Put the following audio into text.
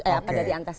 eh apa dari antasas